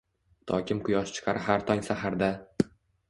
Tokim quyosh chiqar har tong saharda